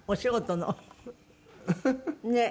ねえ。